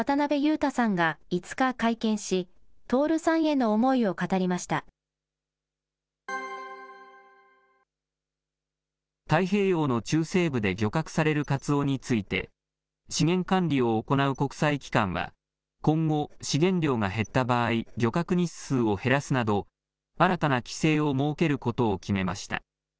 太平洋の中西部で漁獲されるカツオについて、資源管理を行う国際機関は、今後、資源量が減った場合、漁獲日数を減らすなど、新たな規制を設けることを決めました。